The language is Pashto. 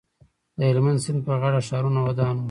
د هلمند سیند په غاړه ښارونه ودان وو